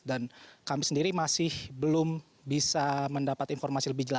dan kami sendiri masih belum bisa mendapat informasi lebih jelas